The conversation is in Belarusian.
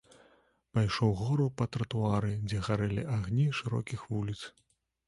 Пайшоў угору па тратуары, дзе гарэлі агні шырокіх вуліц.